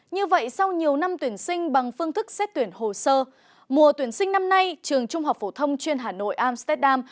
như vậy sau nhiều năm tuyển sinh bằng phương thức xét tuyển hồ sơ mùa tuyển sinh năm nay trường trung học phổ thông chuyên hà nội amsterdam